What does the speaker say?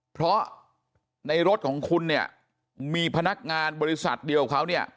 เพราะในรถของคุณมีพนักงานบริษัทเดียวเขา